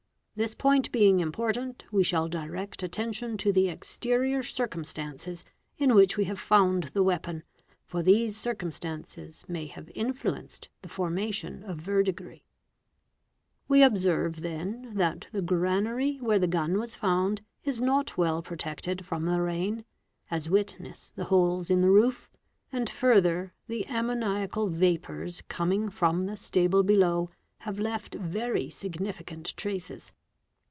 This point being important, we shall direct attention to = r EAR ME REL CRIES OS Sat) BRS BAG PE GOLF PR yy et Bat | Ot the exterior circumstances in which we have found the weapon, for these Gircumstances may have influenced the formation of verdigris. _ "We observe then that the granary where the gun was found is not 3 1 ell protected from the rain, as witness the holes in the roof, and further _ the ammoniacal vapours coming from the stable below have left very ignificant traces.